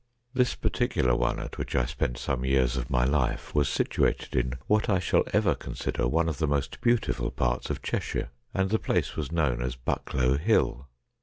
This particular one at which I spent some years of my life was situated in what I shall ever consider one of the most beautiful parts of Cheshire, and the place was known as Bucklow Hill.